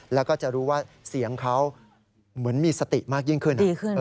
แล้วก็จะรู้ว่าเสียงเขาเหมือนมีสติมากยิ่งขึ้น